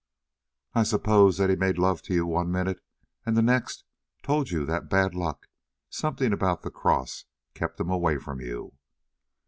"I suppose that he made love to you one minute and the next told you that bad luck something about the cross kept him away from you?"